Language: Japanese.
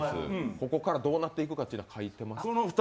ここからどうなっていくかというのは書いてます？